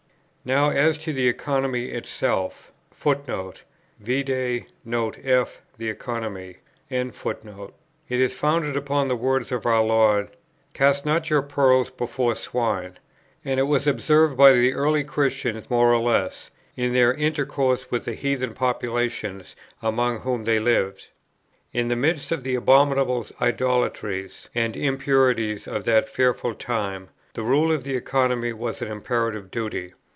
Now, as to the Economy itself, it is founded upon the words of our Lord, "Cast not your pearls before swine;" and it was observed by the early Christians more or less, in their intercourse with the heathen populations among whom they lived. In the midst of the abominable idolatries and impurities of that fearful time, the Rule of the Economy was an imperative duty.